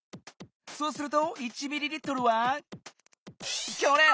そうすると１ｍＬはこれ！